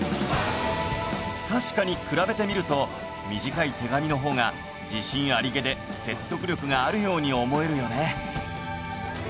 確かに比べてみると短い手紙の方が自信ありげで説得力があるように思えるよね